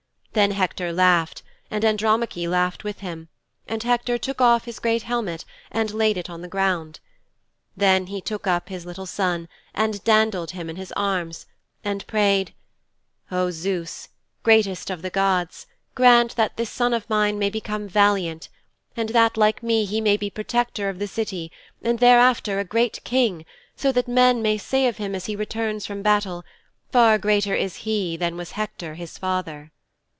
Then Hector laughed and Andromache laughed with him, and Hector took off his great helmet and laid it on the ground. Then he took up his little son and dandled him in his arms, and prayed, "O Zeus, greatest of the gods, grant that this son of mine may become valiant, and that, like me, he may be protector of the City and thereafter a great King, so that men may say of him as he returns from battle, 'Far greater is he than was Hector his father.'"